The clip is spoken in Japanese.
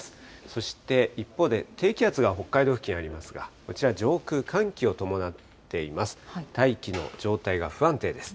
そして一方で、低気圧が北海道付近にありますが、こちら、上空、寒気を伴っています。